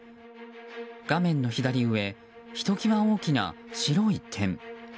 画面の左上、ひと際大きな白い点。